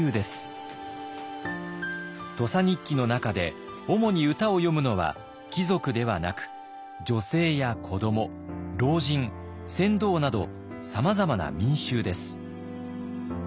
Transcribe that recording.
「土佐日記」の中でおもに歌を詠むのは貴族ではなく女性や子ども老人船頭などさまざまな民衆です。